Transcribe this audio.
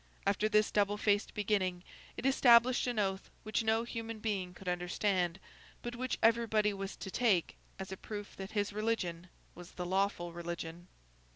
After this double faced beginning, it established an oath which no human being could understand, but which everybody was to take, as a proof that his religion was the lawful religion.